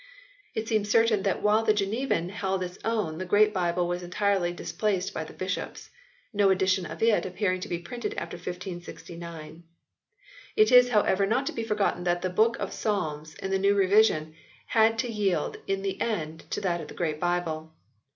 It seems certain that while the Genevan held its own the Great Bible was entirely displaced by the Bishops ; no edition of it appearing to be printed after 1569. It is however not to be forgotten that the Book of Psalms in the new revision had to yield in the end to that in the Great Bible.